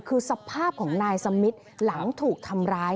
คือสภาพของนายสมิทหลังถูกทำร้าย